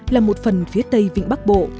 là một phần phía tây vịnh bắc bộ